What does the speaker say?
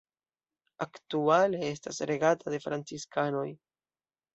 Aktuale estas regata de Franciskanoj.